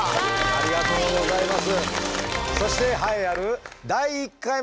ありがとうございます。